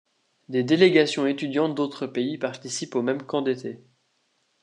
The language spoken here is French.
Des délégations étudiantes d'autres pays participent au même camp d'été.